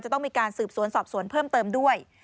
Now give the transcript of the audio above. ต้องมีการสืบสวนสอบสวนเพิ่มเติมด้วย